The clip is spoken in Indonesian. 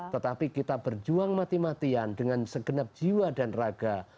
tetapi kita berjuang mati matian dengan segenap jiwa dan raga